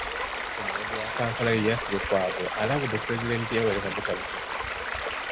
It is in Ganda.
Omuloodi wa Kampala Erias Lukwago alabudde Pulezidenti Yoweri Kaguta Museveni .